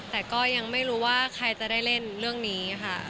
แต่ก็ยังไม่รู้ว่าใครจะได้เล่นเรื่องนี้ค่ะ